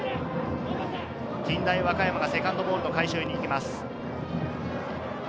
近大和歌山がセカンドボールの回収に行きます。